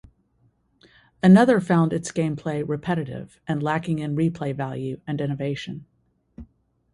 Another found its gameplay repetitive and lacking in replay value and innovation.